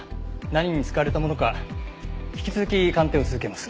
何に使われたものか引き続き鑑定を続けます。